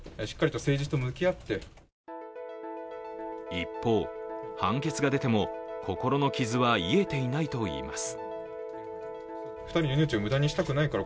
一方、判決が出ても心の傷は癒えていないといいます。